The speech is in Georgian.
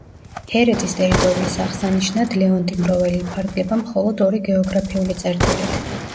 ჰერეთის ტერიტორიის აღსანიშნად ლეონტი მროველი იფარგლება მხოლოდ ორი გეოგრაფიული წერტილით.